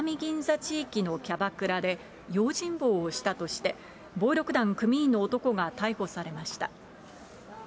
地域のキャバクラで、用心棒をしたとして、暴力団組員の男が逮捕されました。